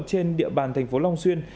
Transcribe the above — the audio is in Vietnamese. trên địa bàn tp hcm